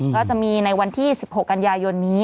ก็จะมีในวันที่๑๖กันยายนนี้